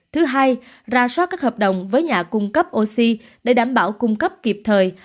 thứ hai ra soát các hợp đồng với nhà cung cấp oxy để đảm bảo cung cấp kịp thời